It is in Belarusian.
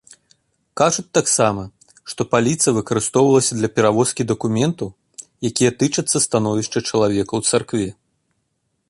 Кажуць таксама, што паліца выкарыстоўвалася для перавозкі дакументаў, якія тычацца становішча чалавека ў царкве.